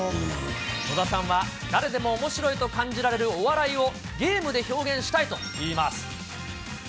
野田さんは誰でもおもしろいと感じられるお笑いを、ゲームで表現したいといいます。